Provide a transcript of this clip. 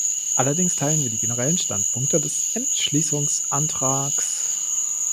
Allerdings teilen wir die generellen Standpunkte des Entschließungsantrags.